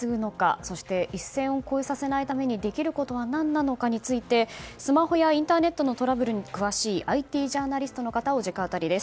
そして一線を越えさせないためにできることは何なのかについてスマホやインターネットのトラブルに詳しいＩＴジャーナリストの方を直アタリです。